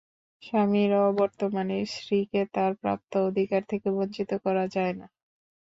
স্বামীর অবর্তমানে স্ত্রীকে তাঁর প্রাপ্য অধিকার থেকে বঞ্চিত করা যায় না।